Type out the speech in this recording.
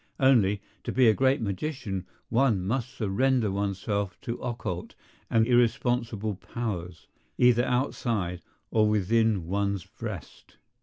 Only, to be a great magician one must surrender oneself to occult and irresponsible powers, either outside or within one's breast.